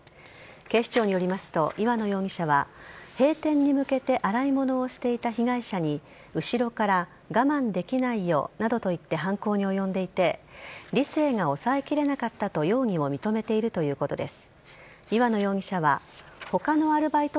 警視庁によりますと岩野容疑者は閉店に向けて洗い物をしていた被害者に後ろから、我慢できないよなどと言って犯行に及んでいて理性が抑えきれなかったと容疑を認めているということです。